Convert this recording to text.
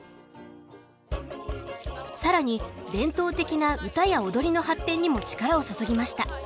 さらに伝統的な歌や踊りの発展にも力を注ぎました。